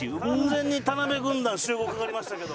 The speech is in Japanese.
完全に田辺軍団集合かかりましたけど。